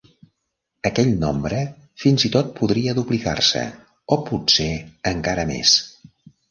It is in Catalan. Aquell nombre fins i tot podria duplicar-se o potser encara més.